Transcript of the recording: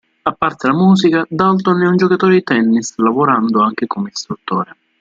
A parte la musica, Dalton è un giocatore di tennis lavorando anche come istruttore.